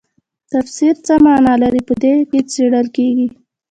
تفسیر څه مانا لري په دې کې څیړل کیږي.